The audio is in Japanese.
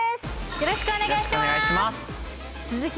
よろしくお願いします。